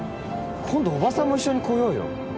今度おばさんも一緒に来ようよ